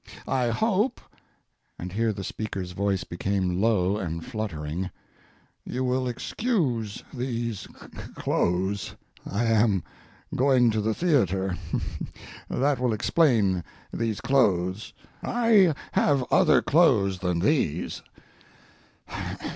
I hope [and here the speaker's voice became low and fluttering] you will excuse these clothes. I am going to the theatre; that will explain these clothes. I have other clothes than these.